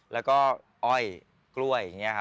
แล้วก็อ้อยกล้วย